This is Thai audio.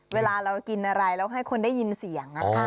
เวลาเรากินอะไรแล้วให้คนได้ยินเสียง